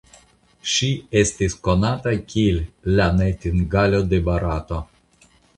Ŝi estis konata kiel "la najtingalo de Barato".